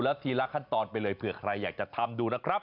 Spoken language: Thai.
แล้วทีละขั้นตอนไปเลยเผื่อใครอยากจะทำดูนะครับ